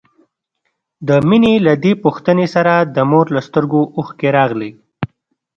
د مينې له دې پوښتنې سره د مور له سترګو اوښکې راغلې.